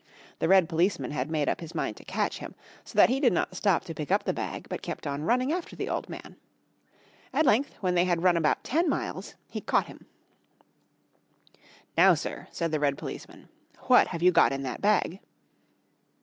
The red policeman had made up his mind to catch him; so that he did not stop to pick up the bag but kept on running after the old man. At length when they had run about ten miles he caught him. [Illustration: The red policeman ran after him.] "Now, sir," said the red policeman, "what have you got in that bag?"